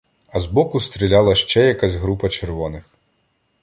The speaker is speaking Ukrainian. А збоку стріляла ще якась група червоних.